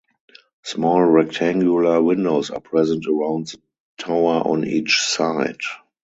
Small rectangular windows are present around the tower on each side.